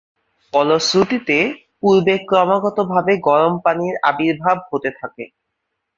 ফলশ্রুতিতে পূর্বে ক্রমাগতভাবে গরম পানির আবির্ভাব হতে থাকে।